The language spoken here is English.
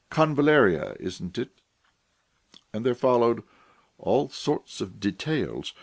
Convallaria, isn't it?" And there followed all sorts of details.